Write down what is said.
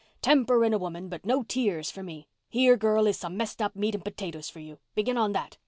Temper in a woman but no tears for me. Here, girl, is some messed up meat and potatoes for you. Begin on that.